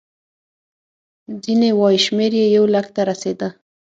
ځینې وایي شمېر یې یو لک ته رسېده.